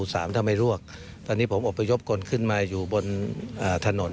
ทำไมลวกตอนนี้ผมอบพยพคนขึ้นมาอยู่บนถนน